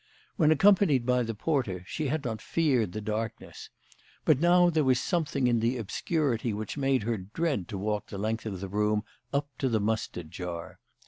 When accompanied by the porter she had not feared the darkness, but now there was something in the obscurity which made her dread to walk the length of the room up to the mustard jar.